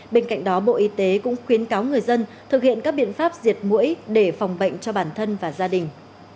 bên cạnh đó bộ y tế cũng khuyến cáo người dân thực hiện các biện pháp diệt mũi để phòng bệnh cho bản thân và gia đình